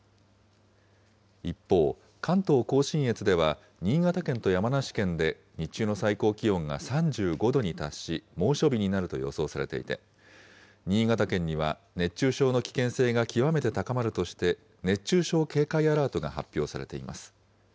一方、関東甲信越では新潟県と山梨県で日中の最高気温が３５度に達し、猛暑日になると予想されていて、新潟県には熱中症の危険性が極めて高まるとして、熱中症警戒アラートが発表されています。